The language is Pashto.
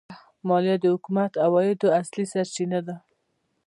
مالیه د حکومت د عوایدو اصلي سرچینه ده.